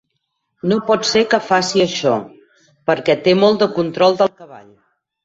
No pot ser que faci això perquè té molt de control del cavall.